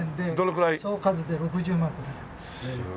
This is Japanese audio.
総数で６０万個出てるんです。